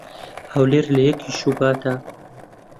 "هەولێر لە یەکی شوباتا"